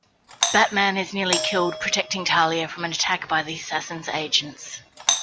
Batman is nearly killed protecting Talia from an attack by the assassin's agents.